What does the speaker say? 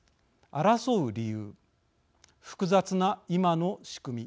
争う理由、複雑な今の仕組み